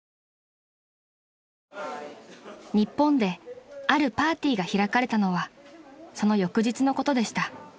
［日本であるパーティーが開かれたのはその翌日のことでした］